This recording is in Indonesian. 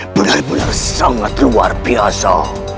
benar benar sangat luar biasa